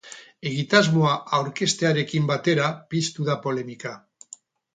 Egitasmoa aurkeztearekin batera piztu da polemika.